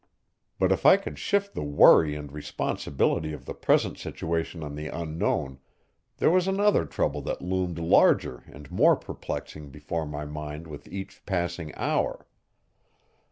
But if I could shift the worry and responsibility of the present situation on the Unknown, there was another trouble that loomed larger and more perplexing before my mind with each passing hour.